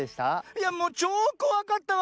いやもうちょうこわかったわ！